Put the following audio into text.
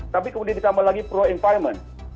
tapi kemudian ditambah lagi pro environment